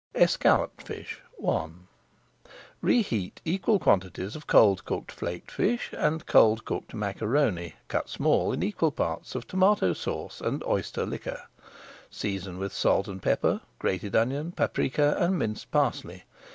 ESCALLOPED FISH I Reheat equal quantities of cold cooked flaked fish and cold cooked maraconi cut small in equal parts of tomato sauce and [Page 465] oyster liquor. Season with salt and pepper, grated onion, paprika, and minced parsley.